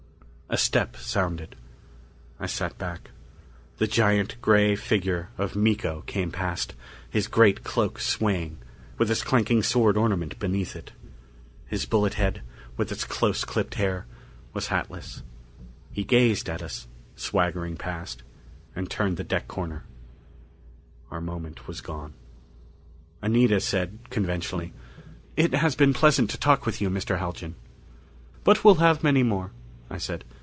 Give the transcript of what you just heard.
A step sounded. I sat back. The giant gray figure of Miko came past, his great cloak swaying, with his clanking sword ornament beneath it. His bullet head, with its close clipped hair, was hatless. He gazed at us, swaggering past, and turned the deck corner. Our moment was gone. Anita said conventionally, "It has been pleasant to talk with you, Mr. Haljan." "But we'll have many more," I said.